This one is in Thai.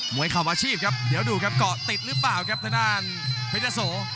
วยเข่าอาชีพครับเดี๋ยวดูครับเกาะติดหรือเปล่าครับทางด้านเพชรโส